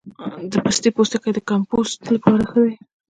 د پستې پوستکی د کمپوسټ لپاره ښه دی؟